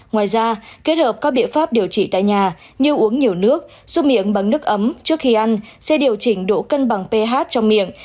ngoài ra kết hợp các biện pháp điều trị tại nhà như uống nhiều nước xúc miệng bằng nước ấm trước khi ăn sẽ điều chỉnh độ cân bằng ph trong miệng